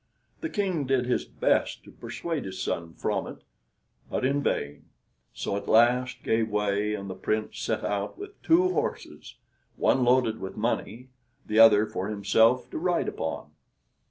The King did his best to persuade his son from it, but in vain; so at last gave way and the Prince set out with two horses, one loaded with money, the other for himself to ride upon.